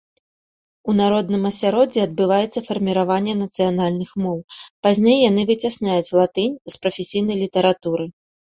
У народным асяроддзі адбываецца фарміраванне нацыянальных моў, пазней яны выцясняюць латынь з прафесійнай літаратуры.